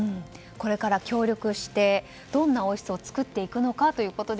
これから協力してどんな王室を作っていくのか。